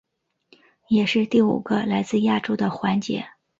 也是第五个来自亚洲的环姐。